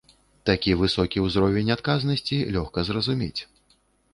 Такі высокі ўзровень адказнасці лёгка зразумець.